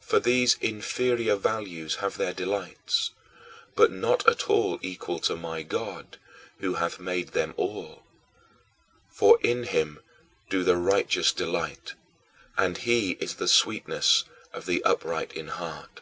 For these inferior values have their delights, but not at all equal to my God, who hath made them all. For in him do the righteous delight and he is the sweetness of the upright in heart.